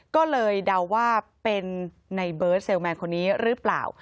ก็เลยเดาว่าเป็นในเบิร์ตเซลแมนคนนี้หรือเปล่า